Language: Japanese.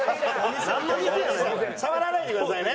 触らないでくださいね。